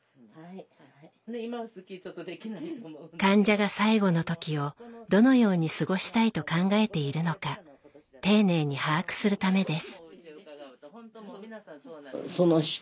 患者が最期の時をどのように過ごしたいと考えているのか丁寧に把握するためです。